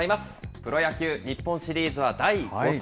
プロ野球日本シリーズは第５戦。